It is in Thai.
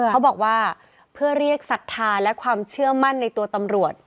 เขาบอกว่าเพื่อเรียกศรัทธาและความเชื่อมั่นในตัวตำรวจ